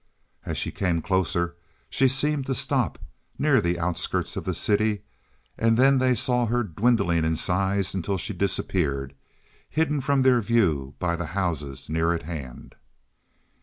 As she came closer she seemed to stop, near the outskirts of the city, and then they saw her dwindling in size until she disappeared, hidden from their view by the houses near at hand.